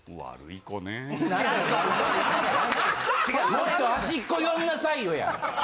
「もっと端っこ寄んなさいよ」や。